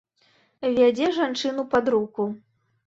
Вядзе жанчыну пад руку.